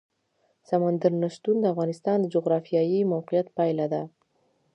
سمندر نه شتون د افغانستان د جغرافیایي موقیعت پایله ده.